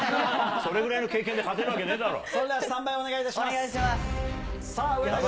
それぐらいの経験で勝てるわけねぇだろ。